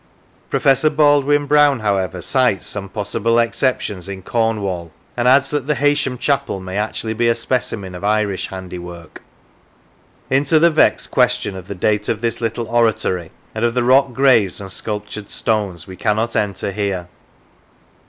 Professor Baldwin Brown, however, cites some possible exceptions in Cornwall, and adds that the Heysham chapel may actually be a specimen of Irish handiwork. Into the vexed question of the date of this little oratory and of the rock graves and sculptured stones we cannot enter here.